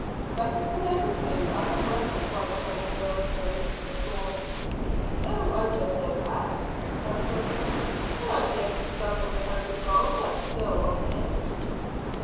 "Better to know the truth and the worst at once, my dear Wilton," said Bourne. "Oh, I don't know that," replied Wilton. "The idea of discovering tons of gold does stir one a bit."